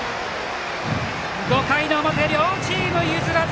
５回の表、両チーム譲らず！